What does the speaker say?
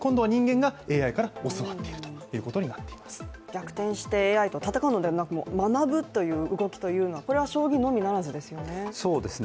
逆転してＡＩと戦うのではなく学ぶという動きは、これは将棋のみならずですよね。